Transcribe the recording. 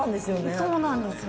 そうなんですよ。